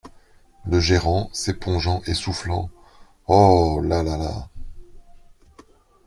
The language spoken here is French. Le Gérant, s’épongeant et soufflant. — Oh ! là là là !